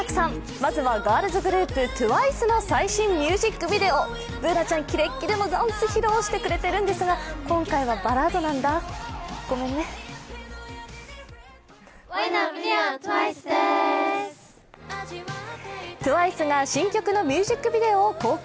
まずは、ガールズグループ、ＴＷＩＣＥの最新ミュージックビデオ、Ｂｏｏｎａちゃん、キレッキレのダンス、披露してくれてるんですが今回はバラードなんだ、ごめんねＴＷＩＣＥが新曲のミュージックビデオを公開。